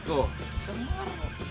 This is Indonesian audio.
tuh keren banget